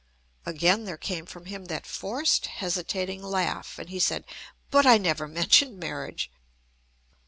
Again there came from him that forced, hesitating laugh, and he said: "But I never mentioned marriage."